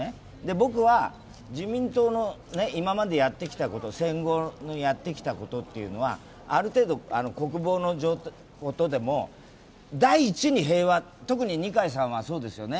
僕は自民党の今までやってきたこと戦後のやってきたことっていうのは、ある程度、国防のことでも第一に平和、特に二階さんはそうですよね。